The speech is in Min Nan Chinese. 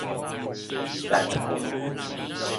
層雲